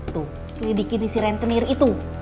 tuh selidikin di siren tenir itu